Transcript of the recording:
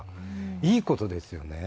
いいことですよね。